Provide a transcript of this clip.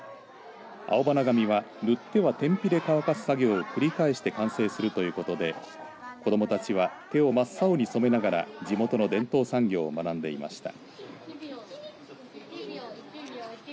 青花紙は、塗っては天日で乾かす作業を繰り返して完成するということで子どもたちは手を真っ青に染めながら地元の伝統産業を学んでいました。